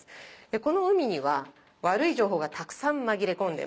この海には悪い情報がたくさん紛れ込んでいます。